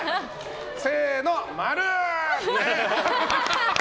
せーの〇！